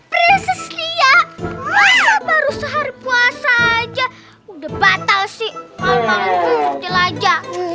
prinses lia masa baru sehari puasa aja udah batal sih malem malem cukup jelajah